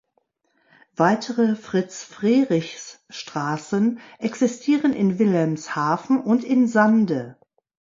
Weitere Fritz-Frerichs-Straßen existieren in Wilhelmshaven und in Sande.